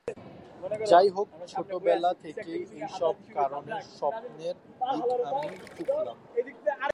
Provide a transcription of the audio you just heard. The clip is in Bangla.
যাই হোক, ছোটবেলা থেকেই এইসব কারণে স্বপ্নের দিকে আমি ফুকলাম।